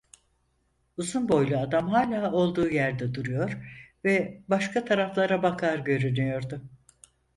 Uzun boylu adam hâlâ olduğu yerde duruyor ve başka taraflara bakar görünüyordu.